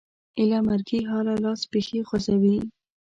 ایله مرګي حاله لاس پښې خوځوي